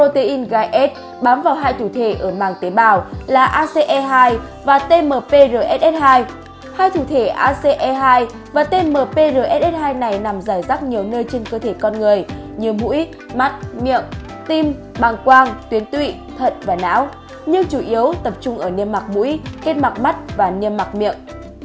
thủ thể ace hai và tmprss hai này nằm rải rắc nhiều nơi trên cơ thể con người như mũi mắt miệng tim bằng quang tuyến tụy thận và não nhưng chủ yếu tập trung ở niêm mạc mũi kết mạc mắt và niêm mạc miệng